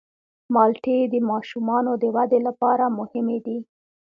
مالټې د ماشومانو د ودې لپاره مهمې دي.